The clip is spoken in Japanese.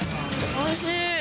・おいしい。